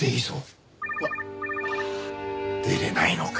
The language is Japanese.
あっああ出れないのか。